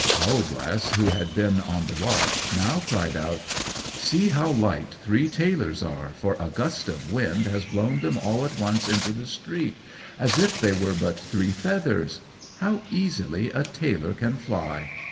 Owlglass, who had been on the watch, now cried out, "See how light three tailors are, for a gust of wind has blown them all at once into the street, as if they were but three feathers! How easily a tailor can fly!"